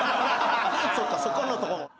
そっかそこのとこも。